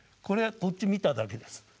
これこっち見ただけです。